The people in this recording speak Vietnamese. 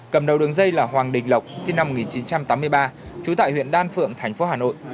cầm đầu đường dây là hoàng đình lộc sinh năm một nghìn chín trăm tám mươi ba trú tại huyện đan phượng thành phố hà nội